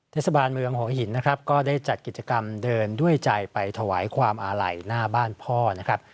เทศบาลเมืองหัวหินนะครับก็ได้จัดกิจกรรมเดินด้วยใจไปถวายความอาลัยหน้าบ้านพ่อนะครับ